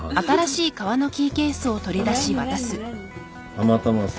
たまたまさ。